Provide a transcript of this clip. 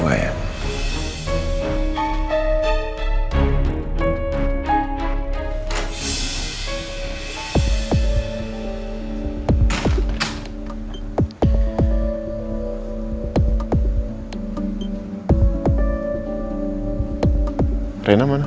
tidak ada yang bisa diharapkan sama andin